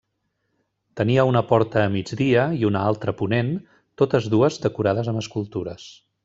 Tenia una porta a migdia i una altra a ponent, totes dues decorades amb escultures.